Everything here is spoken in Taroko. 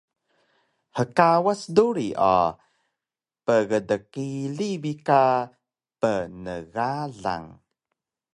Hkawas duri o pkdkili bi ka pnegalang